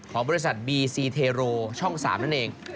ของบริษัทบีซีเทโรช่อง๓นั่นเอง